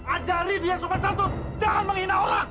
ajari dia sobat santun jangan menghina orang